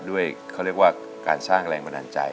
ด้วยเขาเรียกว่าการสร้างแรงบันดาลใจ